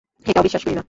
এতটাও বিশ্বাস করি না।